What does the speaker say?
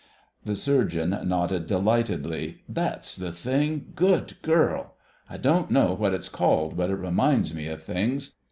The Surgeon nodded delightedly. "That's the thing.... Good girl. I don't know what it's called, but it reminds me of things."